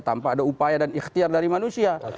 tanpa ada upaya dan ikhtiar dari manusia